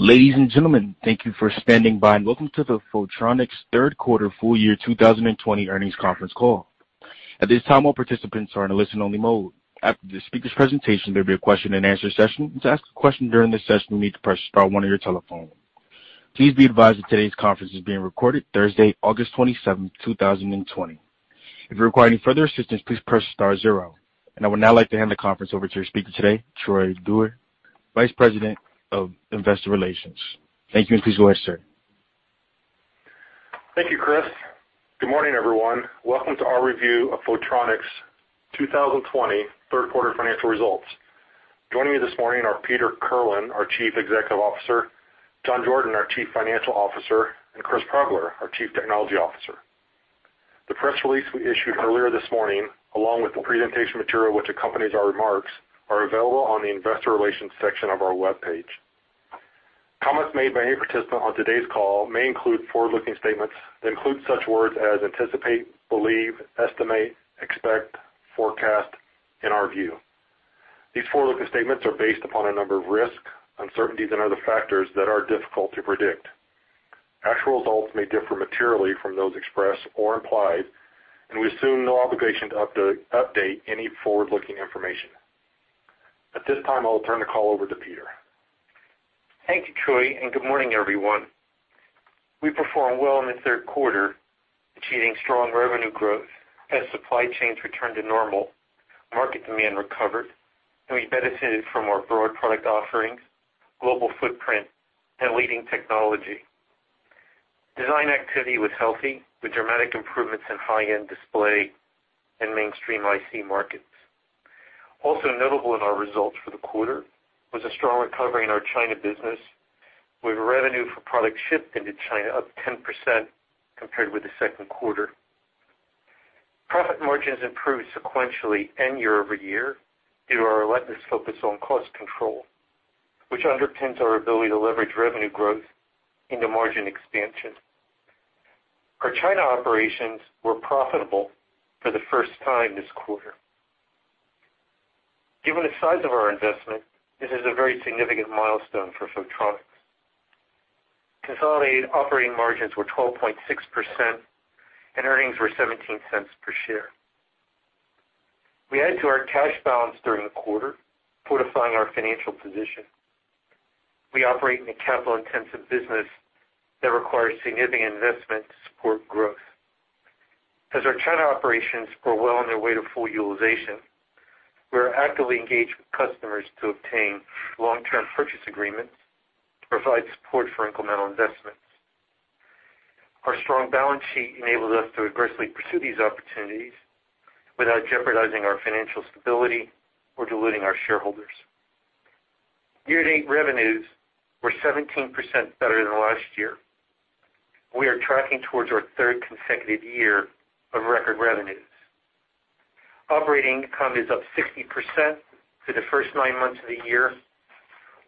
Ladies and gentlemen, thank you for standing by, and welcome to the Photronics third quarter full year 2020 earnings conference call. At this time, all participants are in a listen-only mode. After the speaker's presentation, there will be a question-and-answer session. To ask a question during this session, you'll need to press star one on your telephone. Please be advised that today's conference is being recorded, Thursday, August 27, 2020. If you require any further assistance, please press star zero. And I would now like to hand the conference over to our speaker today, Troy Dewar, Vice President of Investor Relations. Thank you, and please go ahead, sir. Thank you, Chris. Good morning, everyone. Welcome to our review of Photronics 2020 third quarter financial results. Joining me this morning are Peter Kirlin, our Chief Executive Officer, John Jordan, our Chief Financial Officer, and Chris Progler, our Chief Technology Officer. The press release we issued earlier this morning, along with the presentation material which accompanies our remarks, is available on the Investor Relations section of our webpage. Comments made by any participant on today's call may include forward-looking statements that include such words as anticipate, believe, estimate, expect, forecast, and our view. These forward-looking statements are based upon a number of risks, uncertainties, and other factors that are difficult to predict. Actual results may differ materially from those expressed or implied, and we assume no obligation to update any forward-looking information. At this time, I'll turn the call over to Peter. Thank you, Troy, and good morning, everyone. We performed well in the third quarter, achieving strong revenue growth as supply chains returned to normal, market demand recovered, and we benefited from our broad product offerings, global footprint, and leading technology. Design activity was healthy, with dramatic improvements in high-end display and mainstream IC markets. Also notable in our results for the quarter was a strong recovery in our China business, with revenue for products shipped into China up 10% compared with the second quarter. Profit margins improved sequentially and year-over-year due to our relentless focus on cost control, which underpins our ability to leverage revenue growth into margin expansion. Our China operations were profitable for the first time this quarter. Given the size of our investment, this is a very significant milestone for Photronics. Consolidated operating margins were 12.6%, and earnings were $0.17 per share. We added to our cash balance during the quarter, fortifying our financial position. We operate in a capital-intensive business that requires significant investment to support growth. As our China operations are well on their way to full utilization, we are actively engaged with customers to obtain long-term purchase agreements to provide support for incremental investments. Our strong balance sheet enables us to aggressively pursue these opportunities without jeopardizing our financial stability or diluting our shareholders. Year-to-date revenues were 17% better than last year. We are tracking towards our third consecutive year of record revenues. Operating income is up 60% for the first nine months of the year.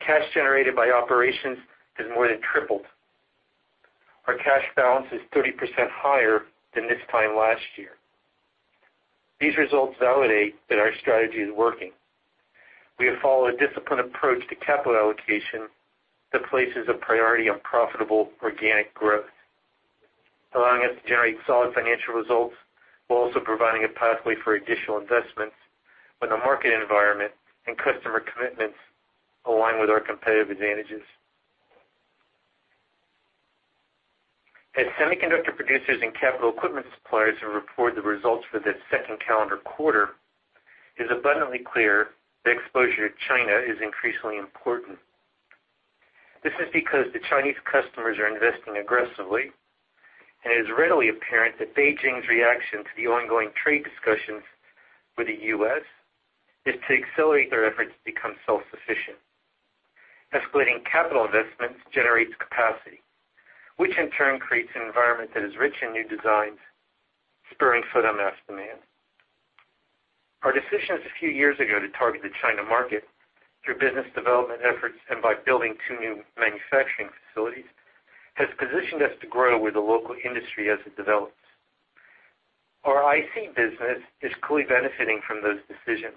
Cash generated by operations has more than tripled. Our cash balance is 30% higher than this time last year. These results validate that our strategy is working. We have followed a disciplined approach to capital allocation that places a priority on profitable organic growth, allowing us to generate solid financial results while also providing a pathway for additional investments when the market environment and customer commitments align with our competitive advantages. As semiconductor producers and capital equipment suppliers have reported the results for the second calendar quarter, it is abundantly clear that exposure to China is increasingly important. This is because the Chinese customers are investing aggressively, and it is readily apparent that Beijing's reaction to the ongoing trade discussions with the U.S. is to accelerate their efforts to become self-sufficient. Escalating capital investments generates capacity, which in turn creates an environment that is rich in new designs, spurring photomask demand. Our decisions a few years ago to target the China market through business development efforts and by building two new manufacturing facilities have positioned us to grow with the local industry as it develops. Our IC business is clearly benefiting from those decisions.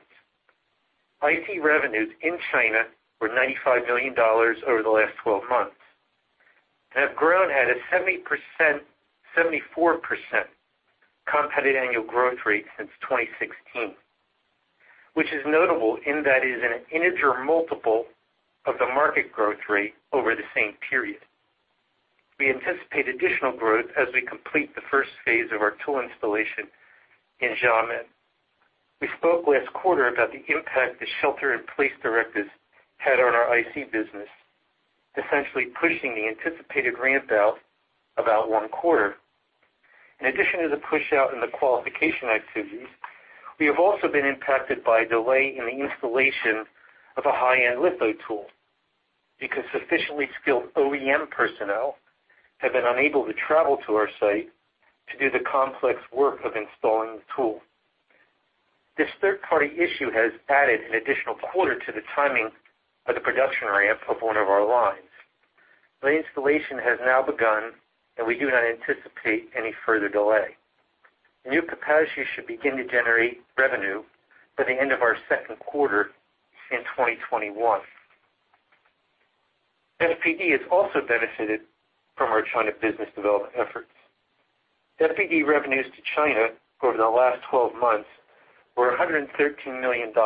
IC revenues in China were $95 million over the last 12 months and have grown at a 74% compound annual growth rate since 2016, which is notable in that it is an integer multiple of the market growth rate over the same period. We anticipate additional growth as we complete the first phase of our tool installation in Xiamen. We spoke last quarter about the impact the shelter-in-place directives had on our IC business, essentially pushing the anticipated ramp-out about one quarter. In addition to the push-out in the qualification activities, we have also been impacted by a delay in the installation of a high-end litho tool because sufficiently skilled OEM personnel have been unable to travel to our site to do the complex work of installing the tool. This third-party issue has added an additional quarter to the timing of the production ramp of one of our lines. The installation has now begun, and we do not anticipate any further delay. New capacity should begin to generate revenue by the end of our second quarter in 2021. FPD has also benefited from our China business development efforts. FPD revenues to China over the last 12 months were $113 million, and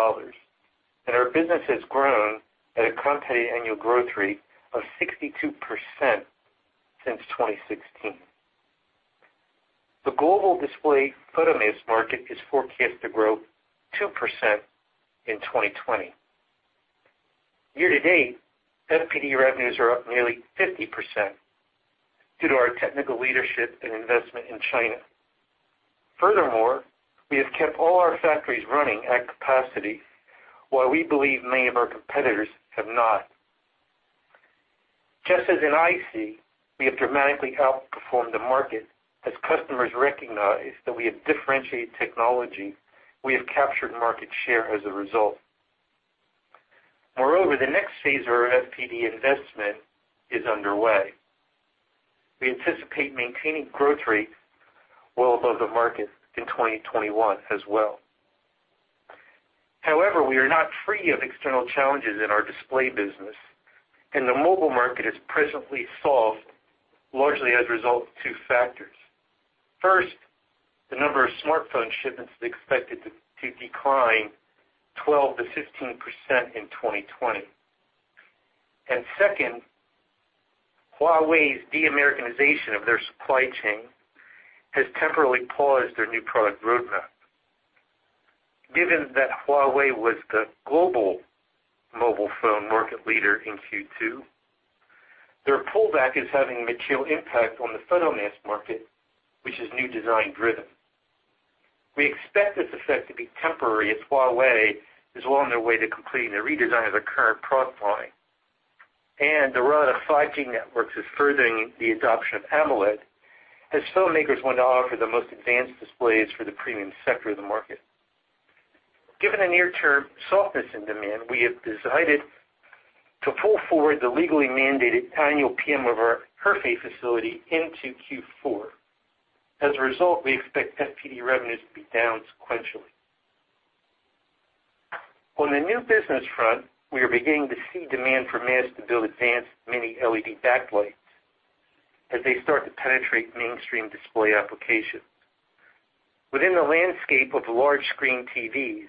our business has grown at a compound annual growth rate of 62% since 2016. The global display photomask market is forecast to grow 2% in 2020. Year-to-date, FPD revenues are up nearly 50% due to our technical leadership and investment in China. Furthermore, we have kept all our factories running at capacity, while we believe many of our competitors have not. Just as in IC, we have dramatically outperformed the market as customers recognize that we have differentiated technology, we have captured market share as a result. Moreover, the next phase of our FPD investment is underway. We anticipate maintaining growth rates well above the market in 2021 as well. However, we are not free of external challenges in our display business, and the mobile market is presently soft largely as a result of two factors. First, the number of smartphone shipments is expected to decline 12%-15% in 2020, and second, Huawei's de-Americanization of their supply chain has temporarily paused their new product roadmap. Given that Huawei was the global mobile phone market leader in Q2, their pullback is having a material impact on the photomask market, which is new design-driven. We expect this effect to be temporary as Huawei is well on their way to completing the redesign of their current product line, and the roll-out of 5G networks is furthering the adoption of AMOLED as phone makers want to offer the most advanced displays for the premium sector of the market. Given the near-term softness in demand, we have decided to pull forward the legally mandated annual PM of our Hefei facility into Q4. As a result, we expect FPD revenues to be down sequentially. On the new business front, we are beginning to see demand for masks to build advanced mini-LED backlights as they start to penetrate mainstream display applications. Within the landscape of large-screen TVs,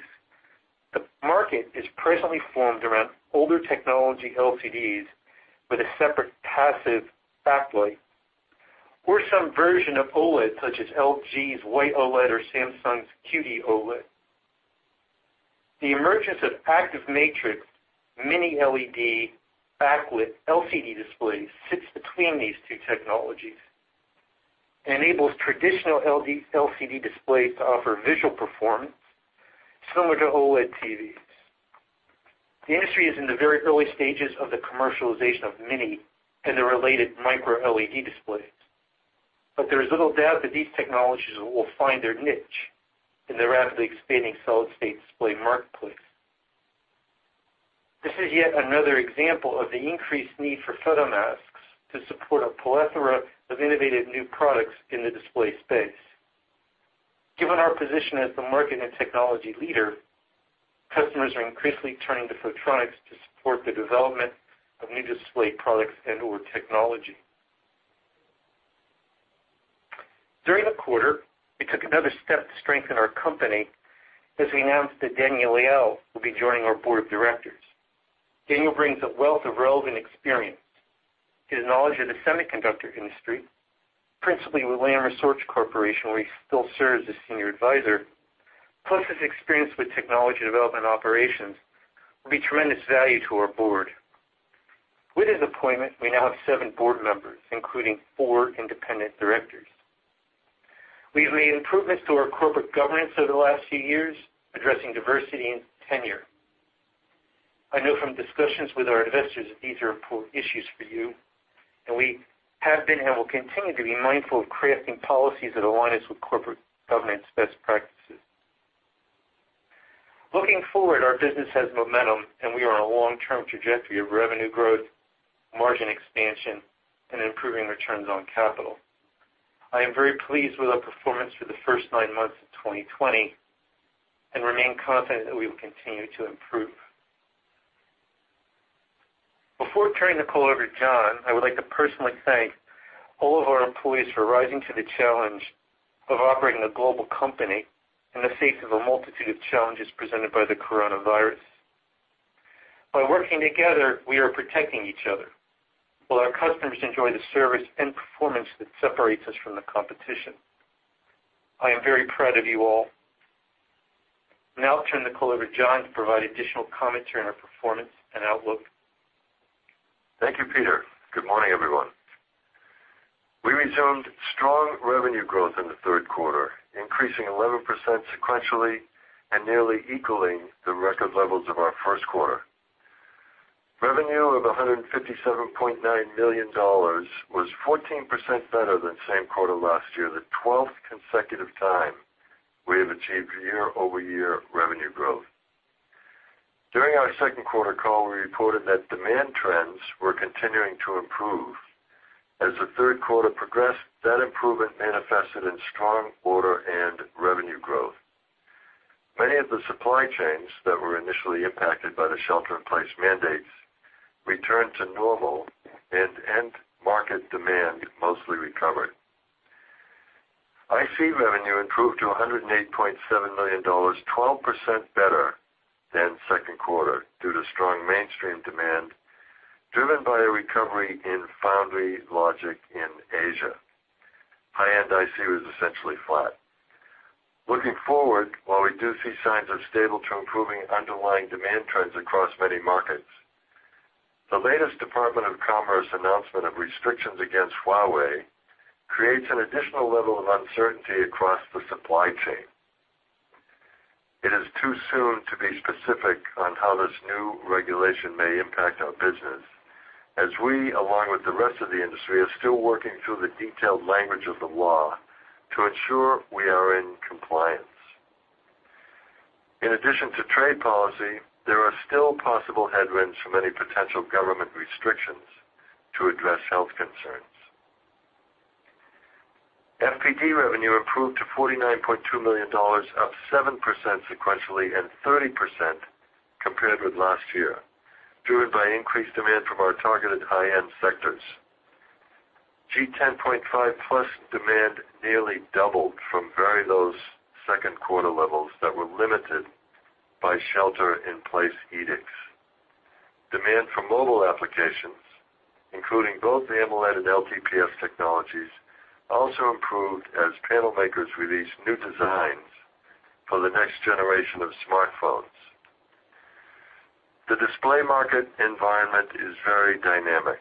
the market is presently formed around older technology LCDs with a separate passive backlight or some version of OLED such as LG's White OLED or Samsung's QD-OLED. The emergence of active matrix mini-LED backlit LCD displays sits between these two technologies and enables traditional LCD displays to offer visual performance similar to OLED TVs. The industry is in the very early stages of the commercialization of mini and the related micro-LED displays, but there is little doubt that these technologies will find their niche in the rapidly expanding solid-state display marketplace. This is yet another example of the increased need for photomasks to support a plethora of innovative new products in the display space. Given our position as the market and technology leader, customers are increasingly turning to Photronics to support the development of new display products and/or technology. During the quarter, we took another step to strengthen our company as we announced that Daniel Liao will be joining our board of directors. Daniel brings a wealth of relevant experience. His knowledge of the semiconductor industry, principally with Lam Research Corporation, where he still serves as senior advisor, plus his experience with technology development operations will be tremendous value to our board. With his appointment, we now have seven board members, including four independent directors. We have made improvements to our corporate governance over the last few years, addressing diversity and tenure. I know from discussions with our investors that these are important issues for you, and we have been and will continue to be mindful of crafting policies that align us with corporate governance best practices. Looking forward, our business has momentum, and we are on a long-term trajectory of revenue growth, margin expansion, and improving returns on capital. I am very pleased with our performance for the first nine months of 2020 and remain confident that we will continue to improve. Before turning the call over to John, I would like to personally thank all of our employees for rising to the challenge of operating a global company in the face of a multitude of challenges presented by the coronavirus. By working together, we are protecting each other while our customers enjoy the service and performance that separates us from the competition. I am very proud of you all. Now I'll turn the call over to John to provide additional commentary on our performance and outlook. Thank you, Peter. Good morning, everyone. We resumed strong revenue growth in the third quarter, increasing 11% sequentially and nearly equaling the record levels of our first quarter. Revenue of $157.9 million was 14% better than the same quarter last year, the 12th consecutive time we have achieved year-over-year revenue growth. During our second quarter call, we reported that demand trends were continuing to improve. As the third quarter progressed, that improvement manifested in strong order and revenue growth. Many of the supply chains that were initially impacted by the shelter-in-place mandates returned to normal, and end-market demand mostly recovered. IC revenue improved to $108.7 million, 12% better than second quarter due to strong mainstream demand driven by a recovery in foundry logic in Asia. High-end IC was essentially flat. Looking forward, while we do see signs of stable to improving underlying demand trends across many markets, the latest Department of Commerce announcement of restrictions against Huawei creates an additional level of uncertainty across the supply chain. It is too soon to be specific on how this new regulation may impact our business, as we, along with the rest of the industry, are still working through the detailed language of the law to ensure we are in compliance. In addition to trade policy, there are still possible headwinds from any potential government restrictions to address health concerns. FPD revenue improved to $49.2 million, up 7% sequentially and 30% compared with last year, driven by increased demand from our targeted high-end sectors. G10.5+ demand nearly doubled from very low second quarter levels that were limited by shelter-in-place edicts. Demand for mobile applications, including both AMOLED and LTPS technologies, also improved as panel makers released new designs for the next generation of smartphones. The display market environment is very dynamic.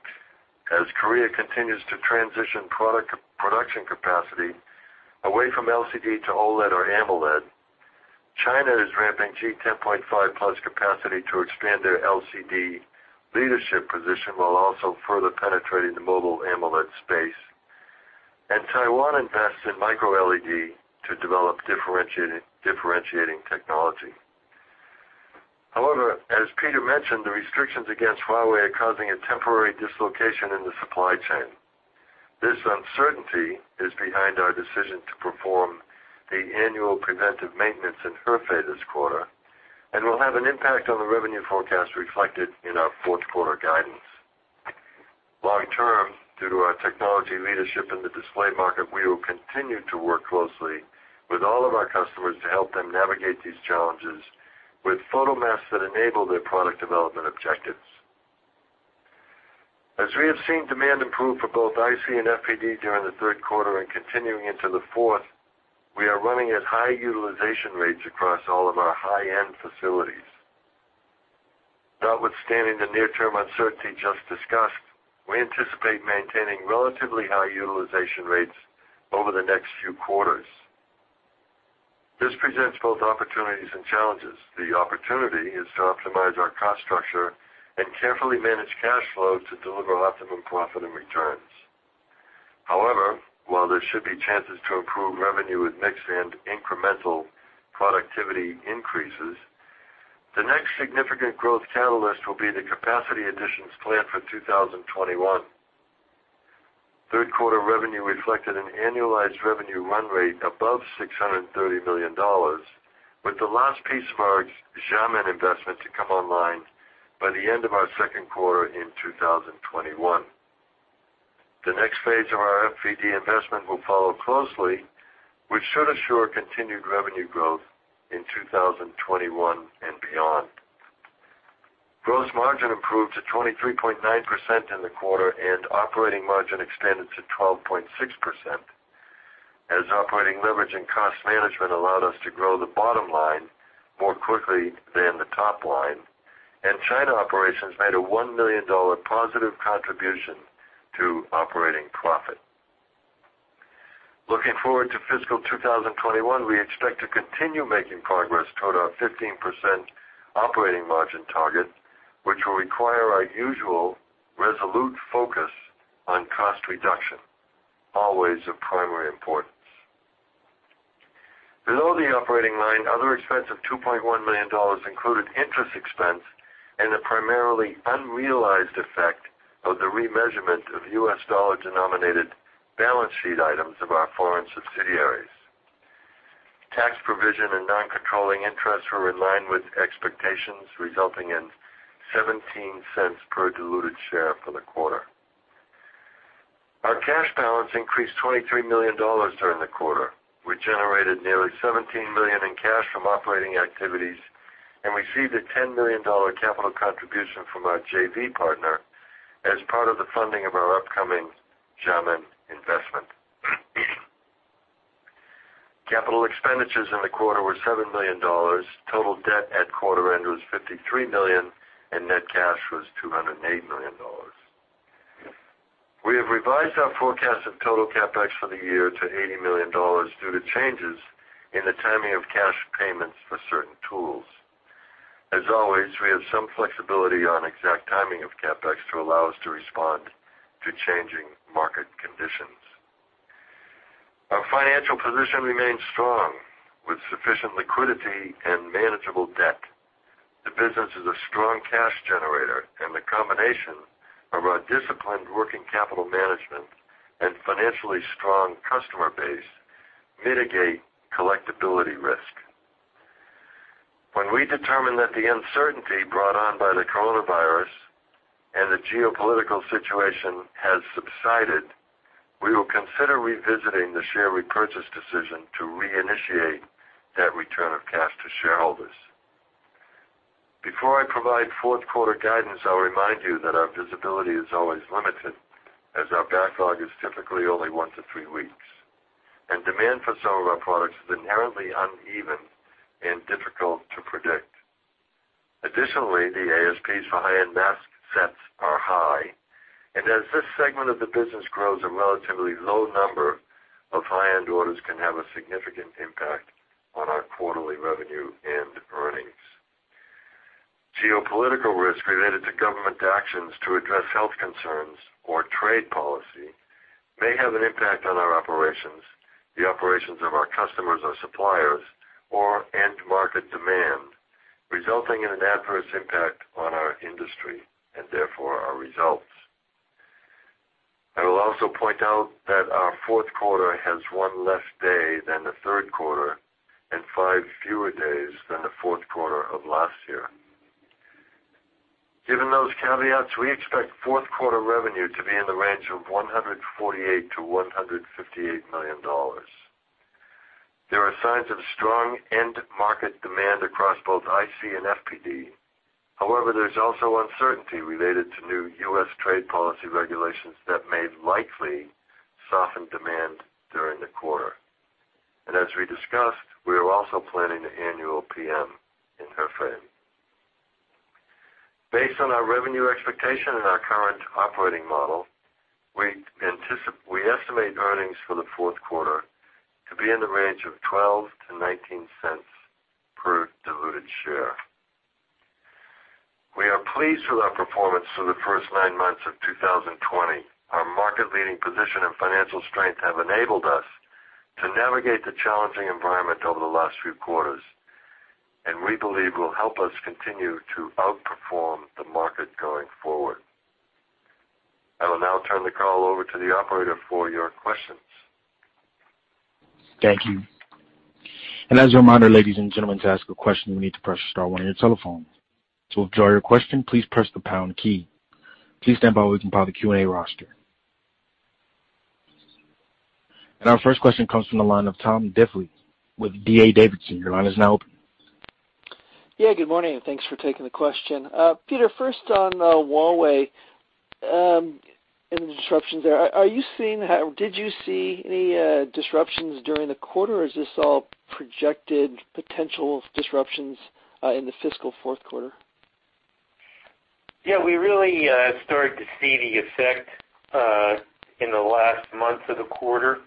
As Korea continues to transition production capacity away from LCD to OLED or AMOLED, China is ramping G10.5+ capacity to expand their LCD leadership position while also further penetrating the mobile AMOLED space, and Taiwan invests in micro-LED to develop differentiating technology. However, as Peter mentioned, the restrictions against Huawei are causing a temporary dislocation in the supply chain. This uncertainty is behind our decision to perform the annual preventive maintenance in Hefei this quarter and will have an impact on the revenue forecast reflected in our fourth quarter guidance. Long-term, due to our technology leadership in the display market, we will continue to work closely with all of our customers to help them navigate these challenges with photomasks that enable their product development objectives. As we have seen demand improve for both IC and FPD during the third quarter and continuing into the fourth, we are running at high utilization rates across all of our high-end facilities. Notwithstanding the near-term uncertainty just discussed, we anticipate maintaining relatively high utilization rates over the next few quarters. This presents both opportunities and challenges. The opportunity is to optimize our cost structure and carefully manage cash flow to deliver optimum profit and returns. However, while there should be chances to improve revenue with mix and incremental productivity increases, the next significant growth catalyst will be the capacity additions planned for 2021. Third quarter revenue reflected an annualized revenue run rate above $630 million, with the last piece of our Xiamen investment to come online by the end of our second quarter in 2021. The next phase of our FPD investment will follow closely, which should assure continued revenue growth in 2021 and beyond. Gross margin improved to 23.9% in the quarter, and operating margin expanded to 12.6% as operating leverage and cost management allowed us to grow the bottom line more quickly than the top line, and China operations made a $1 million positive contribution to operating profit. Looking forward to fiscal 2021, we expect to continue making progress toward our 15% operating margin target, which will require our usual resolute focus on cost reduction, always of primary importance. Below the operating line, other expenses of $2.1 million included interest expense and the primarily unrealized effect of the remeasurement of U.S. dollar-denominated balance sheet items of our foreign subsidiaries. Tax provision and non-controlling interest were in line with expectations, resulting in $0.17 per diluted share for the quarter. Our cash balance increased $23 million during the quarter. We generated nearly $17 million in cash from operating activities and received a $10 million capital contribution from our JV partner as part of the funding of our upcoming Xiamen investment. Capital expenditures in the quarter were $7 million. Total debt at quarter end was $53 million, and net cash was $208 million. We have revised our forecast of total CapEx for the year to $80 million due to changes in the timing of cash payments for certain tools. As always, we have some flexibility on exact timing of CapEx to allow us to respond to changing market conditions. Our financial position remains strong with sufficient liquidity and manageable debt. The business is a strong cash generator, and the combination of our disciplined working capital management and financially strong customer base mitigates collectibility risk. When we determine that the uncertainty brought on by the coronavirus and the geopolitical situation has subsided, we will consider revisiting the share repurchase decision to reinitiate that return of cash to shareholders. Before I provide fourth quarter guidance, I'll remind you that our visibility is always limited as our backlog is typically only one to three weeks, and demand for some of our products is inherently uneven and difficult to predict. Additionally, the ASPs for high-end mask sets are high, and as this segment of the business grows, a relatively low number of high-end orders can have a significant impact on our quarterly revenue and earnings. Geopolitical risk related to government actions to address health concerns or trade policy may have an impact on our operations, the operations of our customers or suppliers, or end-market demand, resulting in an adverse impact on our industry and therefore our results. I will also point out that our fourth quarter has one less day than the third quarter and five fewer days than the fourth quarter of last year. Given those caveats, we expect fourth quarter revenue to be in the range of $148 million-$158 million. There are signs of strong end-market demand across both IC and FPD. However, there's also uncertainty related to new U.S. trade policy regulations that may likely soften demand during the quarter, and as we discussed, we are also planning an annual PM in Hefei. Based on our revenue expectation and our current operating model, we estimate earnings for the fourth quarter to be in the range of $0.12-$0.19 per diluted share. We are pleased with our performance through the first nine months of 2020. Our market-leading position and financial strength have enabled us to navigate the challenging environment over the last few quarters, and we believe will help us continue to outperform the market going forward. I will now turn the call over to the operator for your questions. Thank you and as a reminder, ladies and gentlemen, to ask a question, you will need to press star one on your telephone. To withdraw your question, please press the pound key. Please stand by while we compile the Q&A roster and our first question comes from the line of Tom Diffely with D.A. Davidson. Your line is now open. Yeah, good morning. Thanks for taking the question. Peter, first on Huawei and the disruptions there. Are you seeing or did you see any disruptions during the quarter, or is this all projected potential disruptions in the fiscal fourth quarter? Yeah, we really started to see the effect in the last months of the quarter.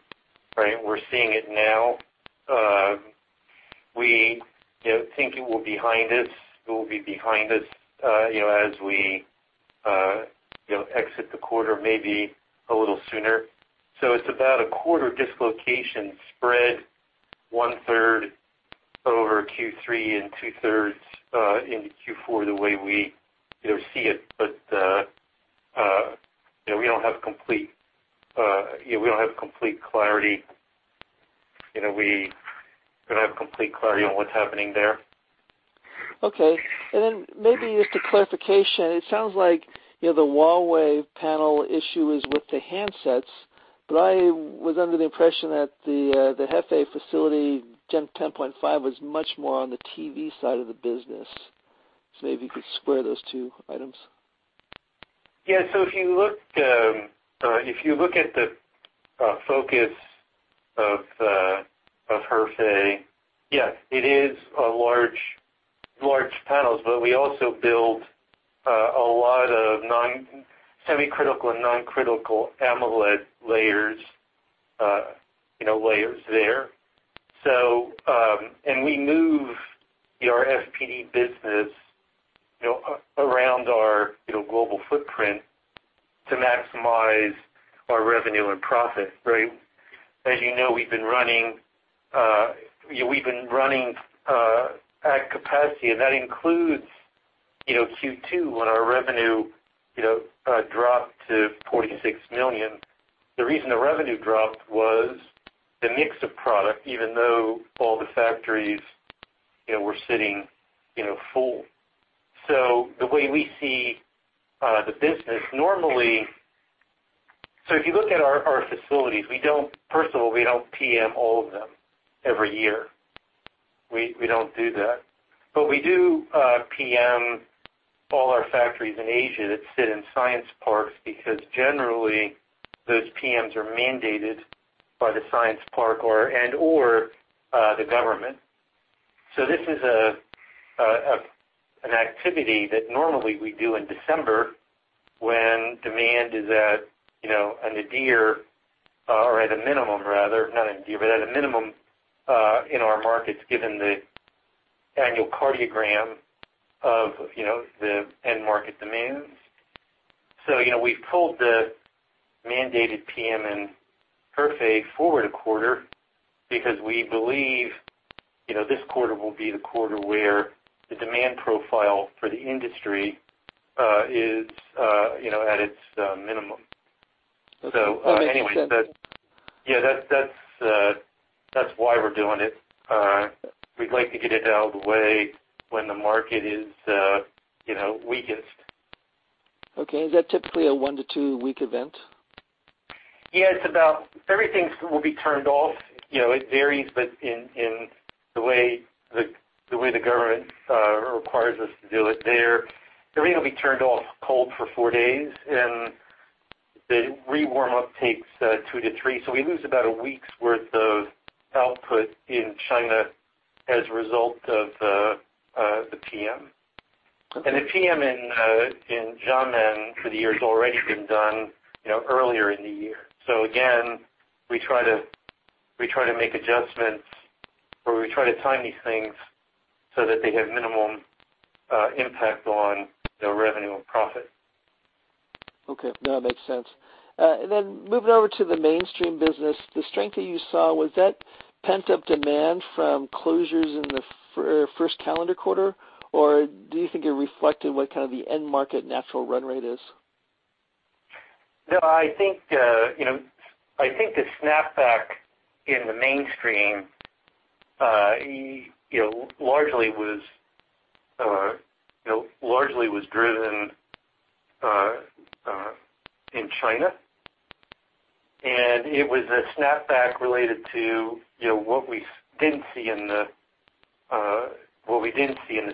We're seeing it now. We think it will be behind us. It will be behind us as we exit the quarter, maybe a little sooner. So it's about a quarter dislocation spread one-third over Q3 and two-thirds into Q4 the way we see it, but we don't have complete clarity. We don't have complete clarity on what's happening there. Okay. And then maybe just a clarification. It sounds like the Huawei panel issue is with the handsets, but I was under the impression that the Hefei facility Gen 10.5 was much more on the TV side of the business. So maybe you could square those two items. Yeah. So if you look at the focus of Hefei, yes, it is large panels, but we also build a lot of semi-critical and non-critical AMOLED layers there. And we move our FPD business around our global footprint to maximize our revenue and profit. As you know, we've been running at capacity, and that includes Q2 when our revenue dropped to $46 million. The reason the revenue dropped was the mix of product, even though all the factories were sitting full. So the way we see the business normally, so if you look at our facilities, first of all, we don't PM all of them every year. We don't do that. But we do PM all our factories in Asia that sit in science parks because generally those PMs are mandated by the science park and/or the government. So this is an activity that normally we do in December when demand is at an ideal or at a minimum, rather, not an ideal, but at a minimum in our markets given the annual cadence of the end-market demands. So we've pulled the mandated PM in Hefei forward a quarter because we believe this quarter will be the quarter where the demand profile for the industry is at its minimum. So anyway, yeah, that's why we're doing it. We'd like to get it out of the way when the market is weakest. Okay. Is that typically a one- to two-week event? Yeah. Everything will be turned off. It varies, but in the way the government requires us to do it there, everything will be turned off cold for four days, and the rewarm-up takes two to three. So we lose about a week's worth of output in China as a result of the PM. And the PM in Xiamen for the year has already been done earlier in the year. So again, we try to make adjustments or we try to time these things so that they have minimum impact on revenue and profit. Okay. That makes sense. And then moving over to the mainstream business, the strength that you saw, was that pent-up demand from closures in the first calendar quarter, or do you think it reflected what kind of the end-market natural run rate is? No. I think the snapback in the mainstream largely was driven in China, and it was a snapback related to what we didn't see in the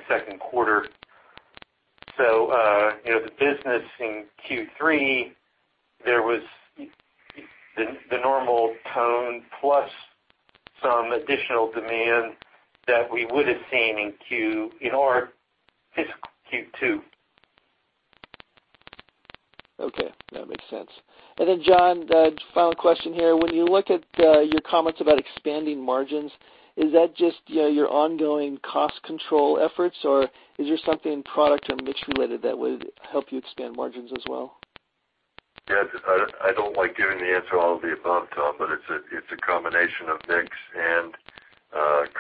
second quarter. So the business in Q3, there was the normal tone plus some additional demand that we would have seen in our fiscal Q2. Okay. That makes sense. And then, John, final question here. When you look at your comments about expanding margins, is that just your ongoing cost control efforts, or is there something in product or mix related that would help you expand margins as well? Yeah. I don't like giving the answer to all of the above, Tom, but it's a combination of mix and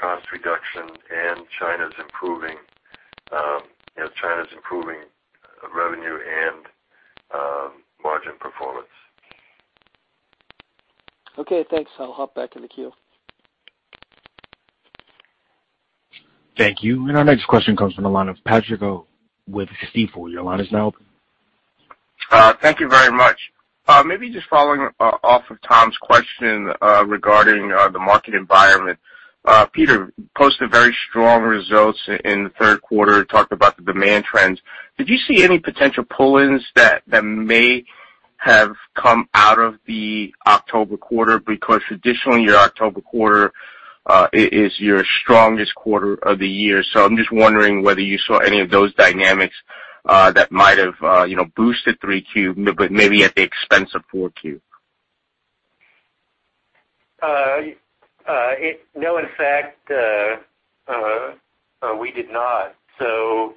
cost reduction and China's improving revenue and margin performance. Okay. Thanks. I'll hop back in the queue. Thank you, and our next question comes from the line of Patrick Ho with Stifel. Your line is now open. Thank you very much. Maybe just following off of Tom's question regarding the market environment, Peter posted very strong results in the third quarter, talked about the demand trends. Did you see any potential pull-ins that may have come out of the October quarter? Because traditionally, your October quarter is your strongest quarter of the year. So I'm just wondering whether you saw any of those dynamics that might have boosted 3Q, but maybe at the expense of 4Q. No. In fact, we did not. So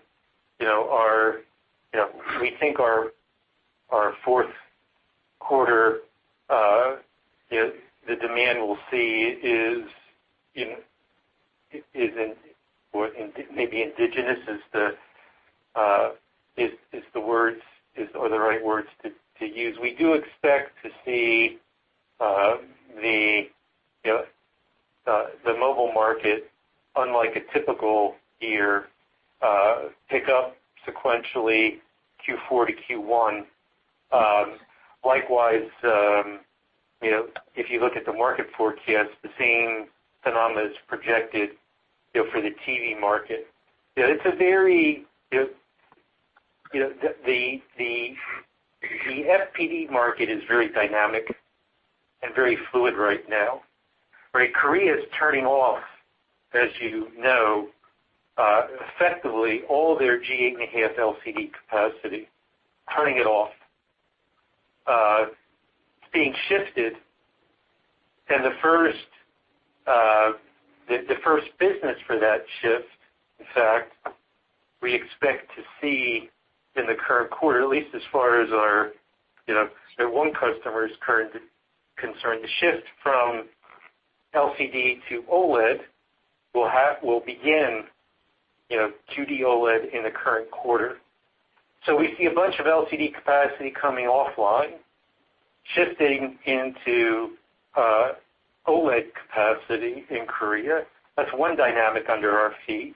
we think our fourth quarter, the demand we'll see is maybe endogenous is the word or the right word to use. We do expect to see the mobile market, unlike a typical year, pick up sequentially Q4 to Q1. Likewise, if you look at the market forecast, the same phenomenon is projected for the TV market. The FPD market is very dynamic and very fluid right now. Korea is turning off, as you know, effectively all their G8.5 LCD capacity, being shifted. The first business for that shift, in fact, we expect to see in the current quarter, at least as far as our one customer's current concern, the shift from LCD to OLED will begin QD-OLED in the current quarter. So we see a bunch of LCD capacity coming offline, shifting into OLED capacity in Korea. That's one dynamic under our feet.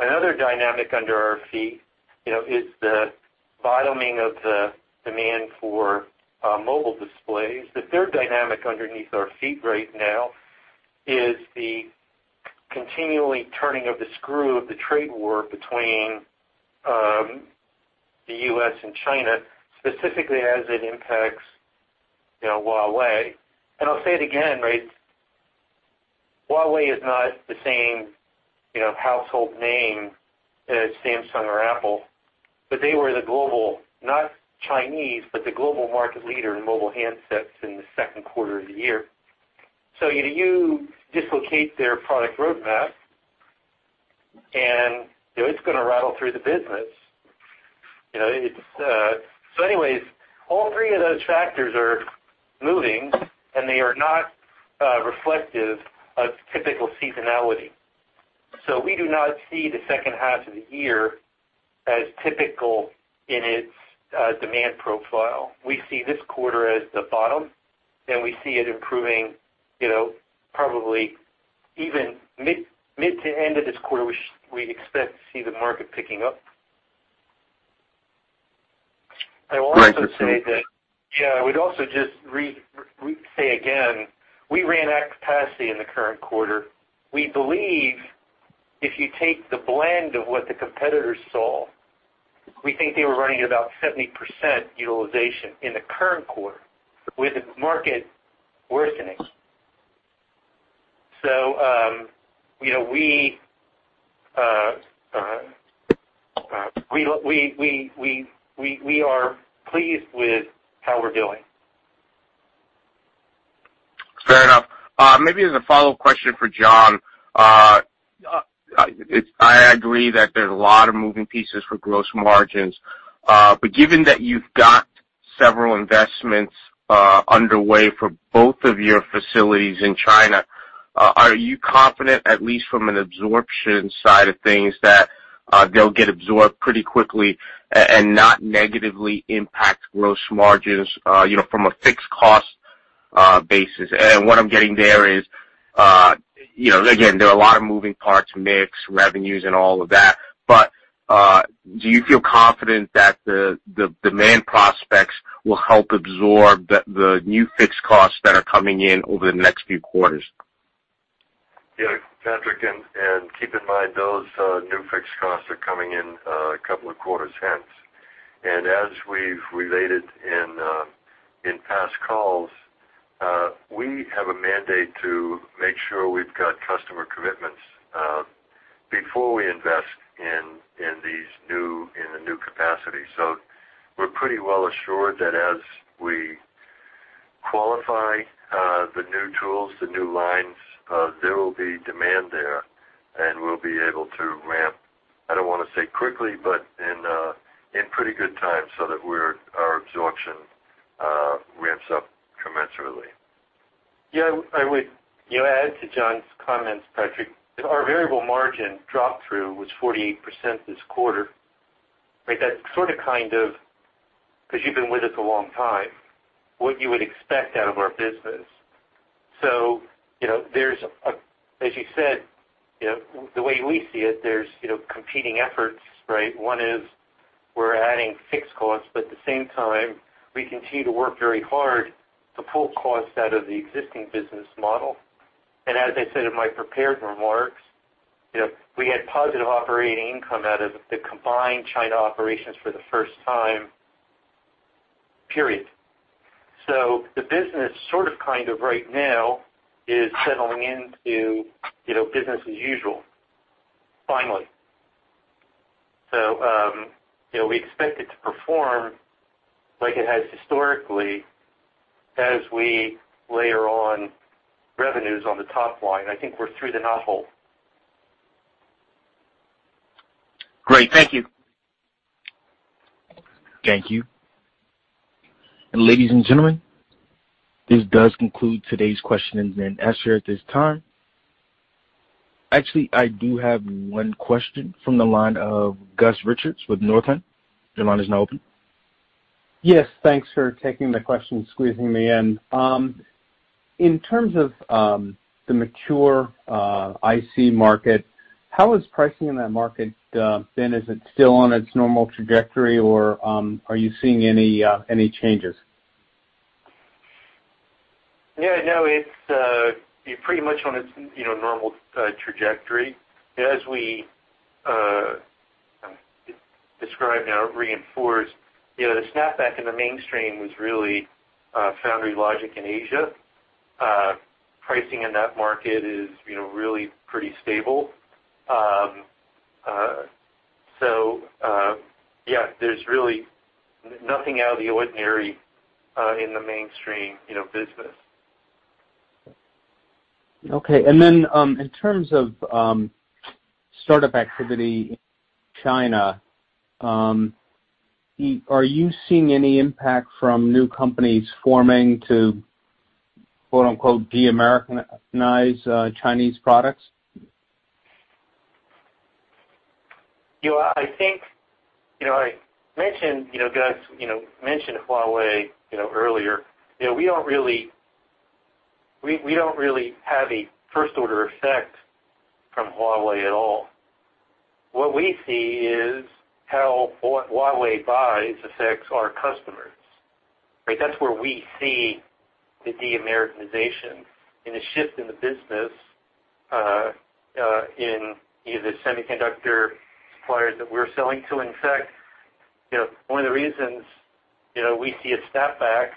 Another dynamic under our feet is the bottoming of the demand for mobile displays. The third dynamic underneath our feet right now is the continual turning of the screw of the trade war between the U.S. and China, specifically as it impacts Huawei. I'll say it again, right? Huawei is not the same household name as Samsung or Apple, but they were the global, not Chinese, but the global market leader in mobile handsets in the second quarter of the year. So you dislocate their product roadmap, and it's going to rattle through the business. So anyways, all three of those factors are moving, and they are not reflective of typical seasonality. So we do not see the second half of the year as typical in its demand profile. We see this quarter as the bottom, and we see it improving probably even mid to end of this quarter, which we expect to see the market picking up. I will also say that. Frankly, I would also just say again, we ran at capacity in the current quarter. We believe if you take the blend of what the competitors saw, we think they were running at about 70% utilization in the current quarter with the market worsening. So we are pleased with how we're doing. Fair enough. Maybe as a follow-up question for John, I agree that there's a lot of moving pieces for gross margins. But given that you've got several investments underway for both of your facilities in China, are you confident, at least from an absorption side of things, that they'll get absorbed pretty quickly and not negatively impact gross margins from a fixed cost basis? And what I'm getting there is, again, there are a lot of moving parts, mixed revenues, and all of that. But do you feel confident that the demand prospects will help absorb the new fixed costs that are coming in over the next few quarters? Yeah. Patrick, and keep in mind those new fixed costs are coming in a couple of quarters hence. And as we've related in past calls, we have a mandate to make sure we've got customer commitments before we invest in the new capacity. So we're pretty well assured that as we qualify the new tools, the new lines, there will be demand there, and we'll be able to ramp. I don't want to say quickly, but in pretty good time so that our absorption ramps up commensurately. Yeah. I would add to John's comments, Patrick. Our variable margin drop-through was 48% this quarter. That's sort of kind of, because you've been with us a long time, what you would expect out of our business. So there's, as you said, the way we see it, there's competing efforts, right? One is we're adding fixed costs, but at the same time, we continue to work very hard to pull costs out of the existing business model. And as I said in my prepared remarks, we had positive operating income out of the combined China operations for the first time, period. So the business sort of kind of right now is settling into business as usual, finally. So we expect it to perform like it has historically as we layer on revenues on the top line. I think we're through the knot hole. Great. Thank you. Thank you, and ladies and gentlemen, this does conclude today's questions and answers at this time. Actually, I do have one question from the line of Gus Richard with Northland. Your line is now open. Yes. Thanks for taking the question and squeezing me in. In terms of the mature IC market, how has pricing in that market been? Is it still on its normal trajectory, or are you seeing any changes? Yeah. No. It's pretty much on its normal trajectory. As we described now, reinforced, the snapback in the mainstream was really foundry logic in Asia. Pricing in that market is really pretty stable. So yeah, there's really nothing out of the ordinary in the mainstream business. Okay. And then in terms of startup activity in China, are you seeing any impact from new companies forming to "de-Americanize" Chinese products? Yeah. I think I mentioned Huawei earlier. We don't really have a first-order effect from Huawei at all. What we see is how Huawei buys affects our customers. That's where we see the de-Americanization and the shift in the business in the semiconductor suppliers that we're selling to. In fact, one of the reasons we see a snapback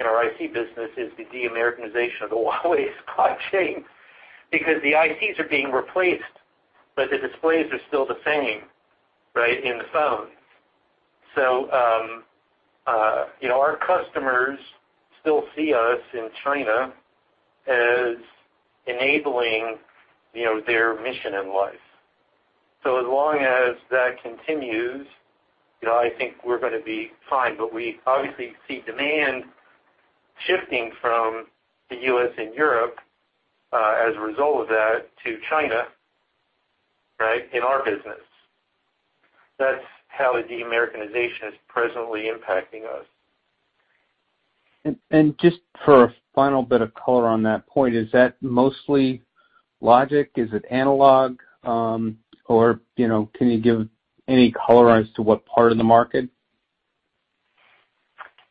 in our IC business is the de-Americanization of the Huawei supply chain because the ICs are being replaced, but the displays are still the same, right, in the phone. So our customers still see us in China as enabling their mission in life. So as long as that continues, I think we're going to be fine. But we obviously see demand shifting from the U.S. and Europe as a result of that to China, right, in our business. That's how the de-Americanization is presently impacting us. And just for a final bit of color on that point, is that mostly logic? Is it analog? Or can you give any color as to what part of the market?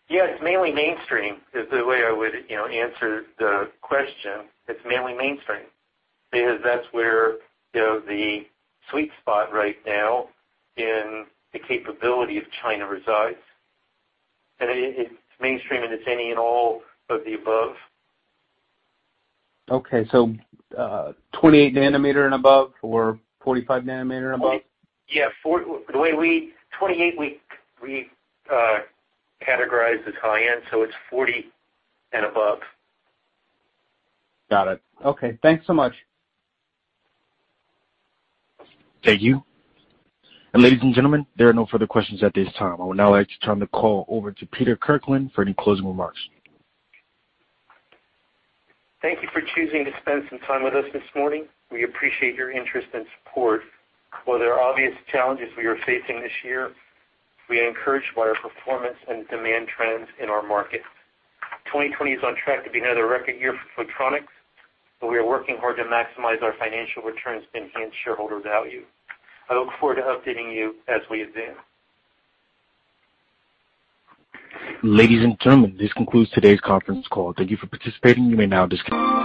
Yeah. It's mainly mainstream is the way I would answer the question. It's mainly mainstream because that's where the sweet spot right now in the capability of China resides, and it's mainstream in its any and all of the above. Okay. So 28 nm and above or 45 nm and above? Yeah. 28 nm we categorize as high-end, so it's 40 nm and above. Got it. Okay. Thanks so much. Thank you. And ladies and gentlemen, there are no further questions at this time. I would now like to turn the call over to Peter Kirlin for any closing remarks. Thank you for choosing to spend some time with us this morning. We appreciate your interest and support. While there are obvious challenges we are facing this year, we are encouraged by our performance and demand trends in our market. 2020 is on track to be another record year for Photronics, but we are working hard to maximize our financial returns to enhance shareholder value. I look forward to updating you as we advance. Ladies and gentlemen, this concludes today's conference call. Thank you for participating. You may now disconnect.